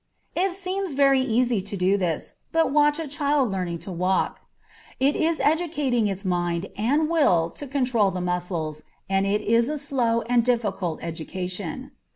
It seems very easy to do this, but watch a child learning to walk; it is educating its mind and will to control the muscles, and it is a slow and difficult education.